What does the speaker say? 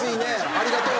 ありがとう。